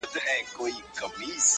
ګل پر څانګه غوړېدلی باغ سمسور سو-